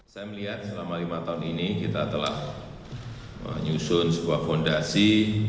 saya melihat selama lima tahun ini kita telah menyusun sebuah fondasi